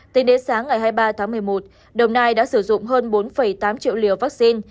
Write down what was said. tính đến sáng ngày hai mươi ba tháng một mươi một đồng nai đã sử dụng hơn bốn tám triệu liều vaccine